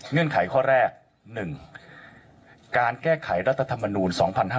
เงื่อนไขข้อแรก๑การแก้ไขรัฐธรรมนูญ๒๕๖๐